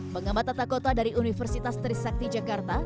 pengamat tata kota dari universitas trisakti jakarta